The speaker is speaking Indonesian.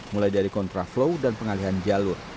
mulai dari kontraflow dan pengalihan jalur